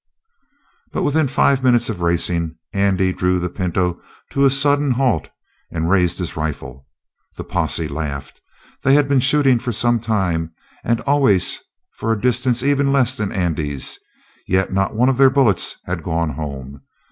But within five minutes of racing, Andy drew the pinto to a sudden halt and raised his rifle. The posse laughed. They had been shooting for some time, and always for a distance even less than Andy's; yet not one of their bullets had gone home.